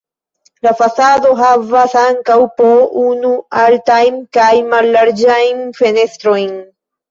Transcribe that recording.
La fasado havas ankaŭ po unu altajn kaj mallarĝajn fenestrojn.